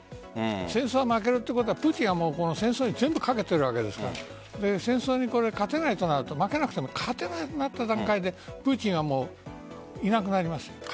戦争は負けるということはプーチンが戦争に全部かけてるわけですから戦争に勝てないとなると負けてなくても勝てなくなった段階でプーチンはいなくなります。